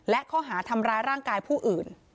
และข้อหาทำร้ายร่างกายผู้อื่น